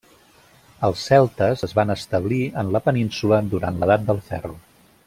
Els celtes es van establir en la Península durant l'Edat del Ferro.